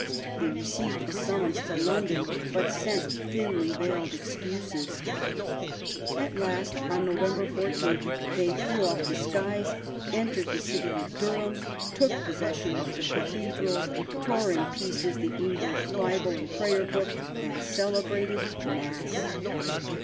They received a summons to Lon don, but sent thinly veiled excuses. At last, on November 14, they threw off disguise, entered the city of Durham, took possession of the Cathedral, tore in pieces the English Bible and Prayer Book, and celebrated Mass.